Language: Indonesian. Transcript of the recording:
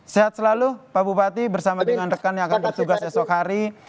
sehat selalu pak bupati bersama dengan rekan yang akan bertugas esok hari